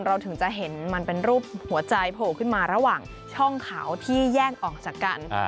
เราถึงจะเห็นมันเป็นรูปหัวใจโผล่ขึ้นมาระหว่างช่องเขาที่แย่งออกจากกัน